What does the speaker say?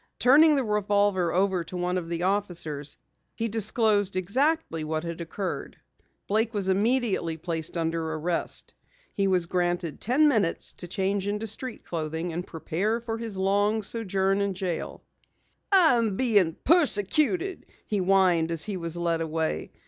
Turning the revolver over to one of the officers, he disclosed exactly what had occurred. Blake was immediately placed under arrest. He was granted ten minutes to change into street clothing and prepare for his long sojourn in jail. "I am being persecuted," he whined as he was led away.